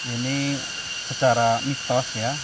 ini secara mitos ya